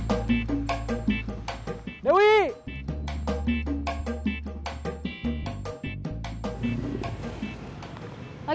aku kayak ketataan